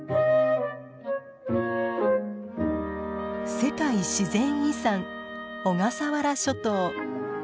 世界自然遺産小笠原諸島。